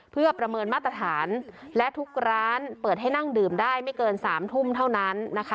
เพื่อประเมินมาตรฐานและทุกร้านเปิดให้นั่งดื่มได้ไม่เกิน๓ทุ่มเท่านั้นนะคะ